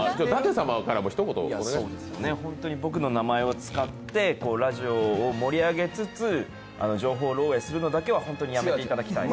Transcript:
ホントに僕の名前を使ってラジオを盛り上げつつ、情報漏えいするのだけは本当にやめていただきたい。